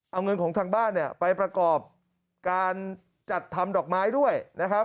เอาเงินของทางบ้านเนี่ยไปประกอบการจัดทำดอกไม้ด้วยนะครับ